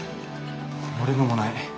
俺のもない。